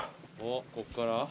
こっから？